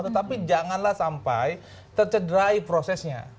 tetapi janganlah sampai tercederai prosesnya